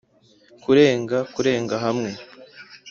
kurenga kurenga hamwe